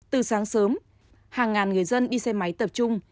từ sáng sớm hàng ngàn người dân đi xe máy tập trung